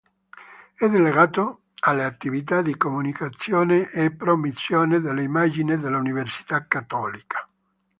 È delegato alle attività di comunicazione e promozione dell’immagine dell'Università Cattolica.